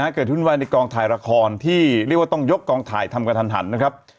วุ่นวายในกองถ่ายละครที่เรียกว่าต้องยกกองถ่ายทำกระทันนะครับ